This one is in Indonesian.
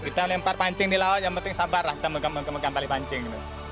kita lempar pancing di laut yang penting sabar lah kita mengembangkan tali pancing